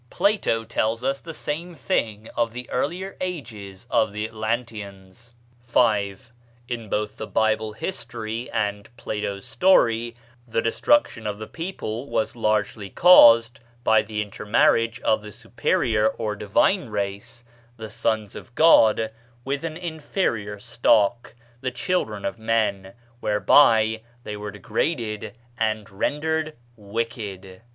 Plato tells us the same thing of the earlier ages of the Atlanteans. 6. In both the Bible history and Plato's story the destruction of the people was largely caused by the intermarriage of the superior or divine race, "the sons of God," with an inferior stock, "the children of men," whereby they were degraded and rendered wicked.